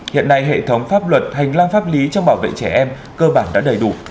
hiện nay hệ thống pháp luật hành lang pháp lý trong bảo vệ trẻ em cơ bản đã đầy đủ